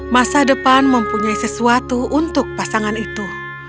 masa depan mempunyai sesuatu untuk pasangan itu